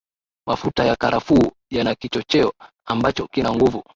Mafuta ya karafuu yana kichocheo ambacho kina nguvu